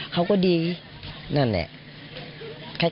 เขาก็ดีนั่นแหละ